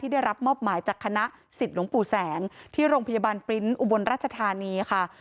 ได้รับมอบหมายจากคณะสิทธิ์หลวงปู่แสงที่โรงพยาบาลปริ้นต์อุบลราชธานีค่ะ